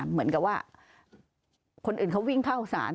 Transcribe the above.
เหมือนกับว่าคนอื่นเขาวิ่งเข้าสาร